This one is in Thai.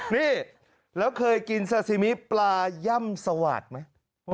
นี่แล้วเคยกินซาซิมิปลาย่ำสวาดไหม